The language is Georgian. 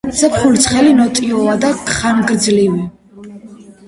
ზაფხული ცხელი, ნოტიოა და ხანგრძლივი.